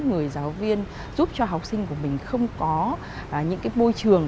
người giáo viên giúp cho học sinh của mình không có những cái bôi trường